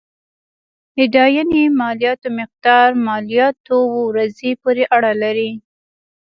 اداينې مالياتو مقدار مالياتو ورځې پورې اړه لري.